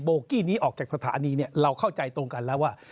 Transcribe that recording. กี้นี้ออกจากสถานีเราเข้าใจตรงกันแล้วว่า